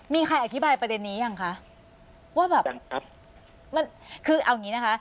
มีใครอธิบายประเด็นนี้ยังคะว่าแบบยังครับมันคือเอาอย่างงี้นะคะ